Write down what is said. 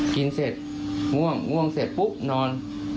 กินเสร็จง่วงง่วงเสร็จปุ๊บนอน